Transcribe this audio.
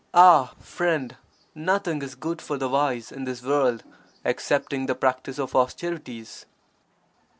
Ah! friend, nothing is good for the wise in this world excepting the practice of austerities!